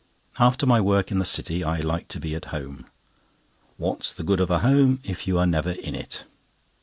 After my work in the City, I like to be at home. What's the good of a home, if you are never in it?